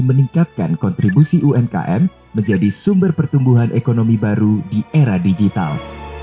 dan meningkatkan kontribusi umkm menjadi sumber pertumbuhan ekonomi baru di era digital